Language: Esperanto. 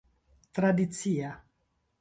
tradicia